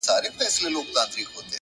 بریالي خلک له ماتې درس اخلي.!